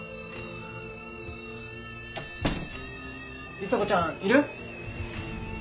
里紗子ちゃんいる？